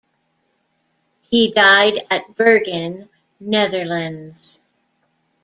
He died at Bergen, Netherlands.